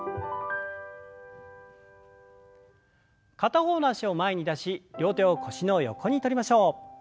片方の脚を前に出し両手を腰の横にとりましょう。